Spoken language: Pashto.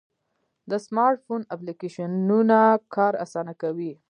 د سمارټ فون اپلیکیشنونه کار آسانه کوي.